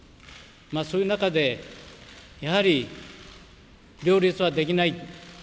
そういう中でやはり両立はできない。